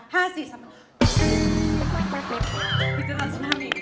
เป็นนี่